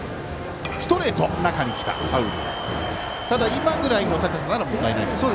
今ぐらいの高さなら問題ないですか？